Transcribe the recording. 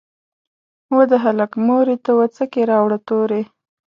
"وه د هلک مورې ته وڅکي راوړه توري".